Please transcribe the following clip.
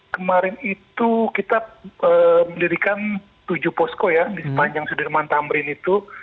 kemarin itu kita mendirikan tujuh posko ya di sepanjang sudirman tamrin itu